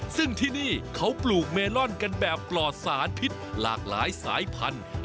ซึ่งที่นี่เขาปลูกเมลอนกันแบบปลอดสารพิษหลากหลายสายพันธุ์